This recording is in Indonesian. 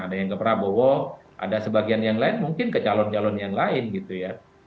ada yang ke prabowo ada sebagian yang lain mungkin ke calon calon yang lain gitu ya